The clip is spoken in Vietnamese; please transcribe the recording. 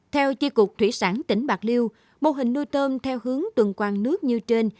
theo tri cục thủy sản tỉnh bạc liêu mô hình nuôi tôm theo hướng tuần quang nước như trên